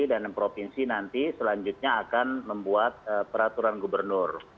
dan provinsi nanti selanjutnya akan membuat peraturan gubernur